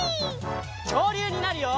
きょうりゅうになるよ！